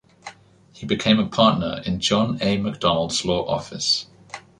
He became a partner in John A. Macdonald's law office.